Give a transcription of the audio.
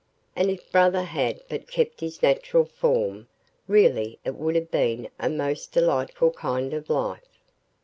And if brother had but kept his natural form, really it would have been a most delightful kind of life.